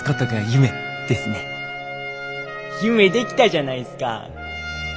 夢できたじゃないっすか。